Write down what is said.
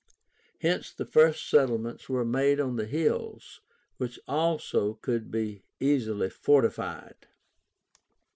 Hence the first settlements were made on the hills, which also could be easily fortified.